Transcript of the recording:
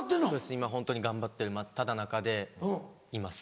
今ホントに頑張ってる真っただ中でいます。